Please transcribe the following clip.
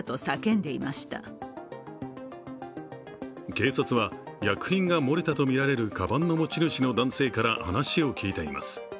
警察は薬品が漏れたとみられるかばんの持ち主の男性から話を聞いています。